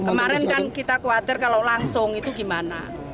kemarin kan kita khawatir kalau langsung itu gimana